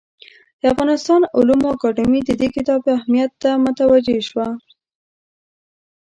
د افغانستان علومو اکاډمي د دې کتاب اهمیت ته متوجه شوه.